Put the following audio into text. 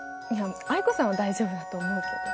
藍子さんは大丈夫だと思うけど。